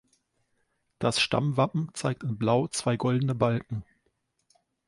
Das Stammwappen zeigt in Blau zwei goldene Balken.